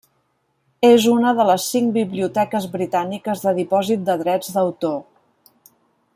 És una de les cinc biblioteques britàniques de dipòsit de drets d'autor.